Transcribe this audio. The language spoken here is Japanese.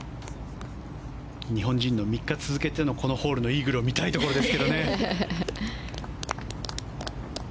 日本人、３日続けてのこのホールでのイーグルを見たいところですけどね。